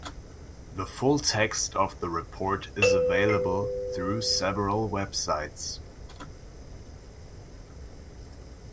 The full text of the report is available through several websites.